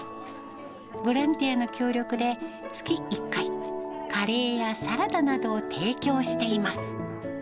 ボランティアの協力で、月１回、カレーやサラダなどを提供しています。